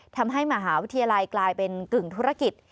ทำให้มหาวิทยาลัยกลายเป็นกึ่งธุรกิจ